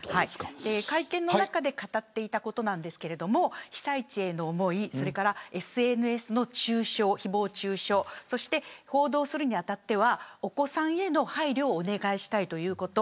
会見の中で語っていたことですが被災地への思いＳＮＳの誹謗中傷報道するに当たってはお子さんへの配慮をお願いしたいということ